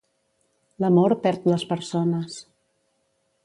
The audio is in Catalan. L'amor perd les persones.